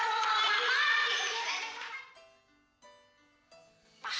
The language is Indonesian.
bang mama sudah